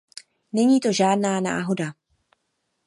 Není to žádná náhoda.